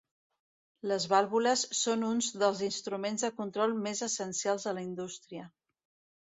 Les vàlvules són uns dels instruments de control més essencials en la indústria.